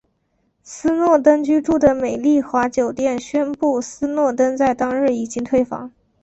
斯诺登居住的美丽华酒店宣布斯诺登在当日已经退房。